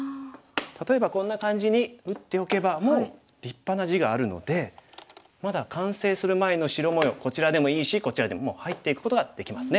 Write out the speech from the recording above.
例えばこんな感じに打っておけばもう立派な地があるのでまだ完成する前のこちらでもいいしこちらでももう入っていくことができますね。